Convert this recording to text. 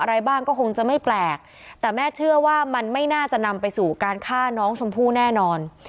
อะไรบ้างก็คงจะไม่แปลกแต่แม่เชื่อว่ามันไม่น่าจะนำไปสู่การฆ่าน้องชมพู่แน่นอน